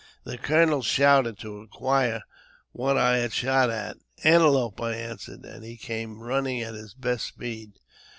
The colonel shouted to inquire what I had shot at. "Antelope," I answered; and he came running at his best speed.